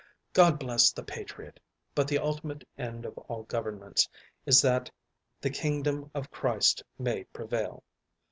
God bless the patriot, but the ultimate end of all governments is that the Kingdom of Christ may prevail.